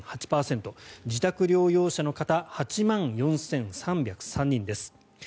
自宅療養者の方８万４３０３人です。